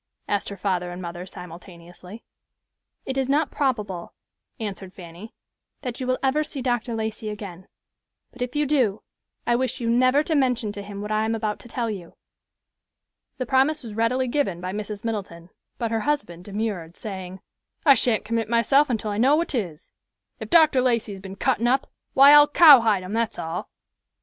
asked her father and mother, simultaneously. "It is not probable," answered Fanny, "that you will ever see Dr. Lacey again, but if you do, I wish you never to mention to him what I am about to tell you." The promise was readily given by Mrs. Middleton, but her husband demurred, saying, "I shan't commit myself until I know what 'tis. If Dr. Lacey has been cuttin' up, why I'll cowhide him, that's all."